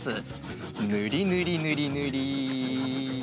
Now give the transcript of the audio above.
ぬりぬりぬりぬり。